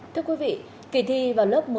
thưa quý vị kỳ thi vào lớp một mươi